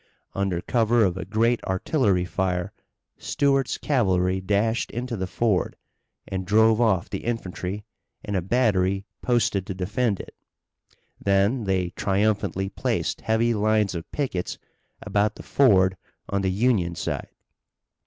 Under cover of a great artillery fire Stuart's cavalry dashed into the ford, and drove off the infantry and a battery posted to defend it. Then they triumphantly placed heavy lines of pickets about the ford on the Union side.